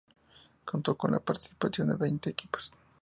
Contó con la participación de veinte equipos.